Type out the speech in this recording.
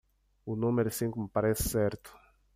O número cinco me parece certo.